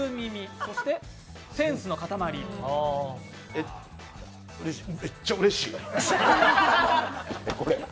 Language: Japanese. えっ、めっちゃうれしい。